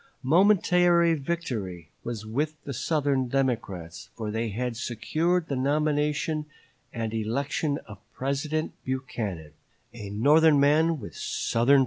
Momentary victory was with the Southern Democrats, for they had secured the nomination and election of President Buchanan "a Northern man with Southern principles."